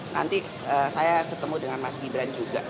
nanti saya ketemu dengan mas gibran juga